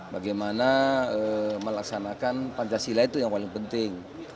bagaimana melaksanakan pancasila itu yang paling penting